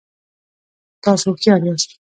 تاسو هوښیار یاست